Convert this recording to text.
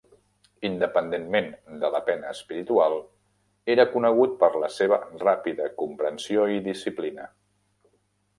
Independentment de la pena espiritual, era conegut per la seva ràpida comprensió i disciplina.